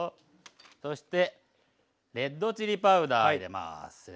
そしてレッドチリパウダー入れます。